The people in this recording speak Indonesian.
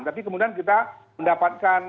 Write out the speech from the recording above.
tapi kemudian kita mendapatkan